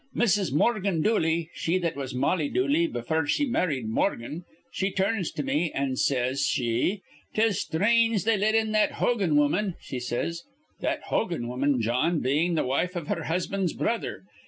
Mrs. Morgan Dooley, she that was Molly Dooley befure she married Morgan, she turns to me, an' says she, ''Tis sthrange they let in that Hogan woman,' she says, that Hogan woman, Jawn, bein' th' wife iv her husband's brother.